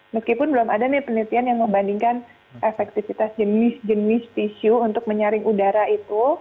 meskipun belum ada nih penelitian yang membandingkan efektivitas jenis jenis tisu untuk menyaring udara itu